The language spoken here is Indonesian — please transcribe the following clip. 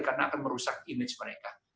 karena akan merusak image mereka